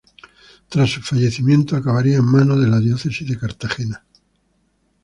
Tras su fallecimiento, acabaría en manos de la diócesis de Cartagena.